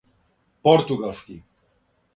Португалски